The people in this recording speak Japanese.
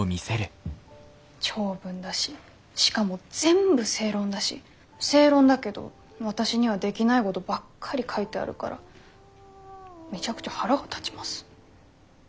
長文だししかも全部正論だし正論だけど私にはできないごどばっかり書いてあるからめちゃくちゃ腹が立ちます。